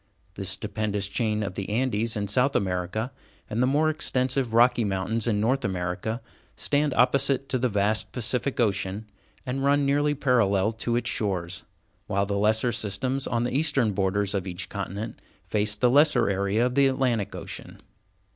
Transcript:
The stupendous chain of the Andes in South America, and the more extensive Rocky Mountains in North America, stand opposite to the vast Pacific Ocean, and run nearly parallel to its shores, while the lesser systems on the eastern borders of each continent face the lesser area of the Atlantic Ocean.